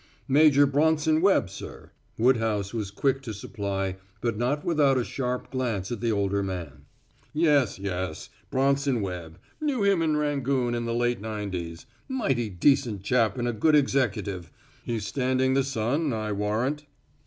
"Major Bronson Webb, sir," Woodhouse was quick to supply, but not without a sharp glance at the older man. "Yes yes; Bronson Webb knew him in Rangoon in the late nineties mighty decent chap and a good executive. He's standing the sun, I warrant."